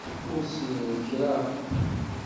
Ur ssinen kra.